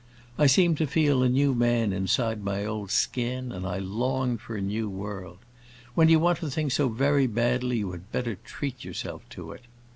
I seemed to feel a new man inside my old skin, and I longed for a new world. When you want a thing so very badly you had better treat yourself to it.